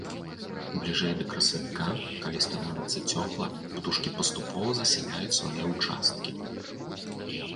Бліжэй да красавіка, калі становіцца цёпла, птушкі паступова засяляюць свае ўчасткі.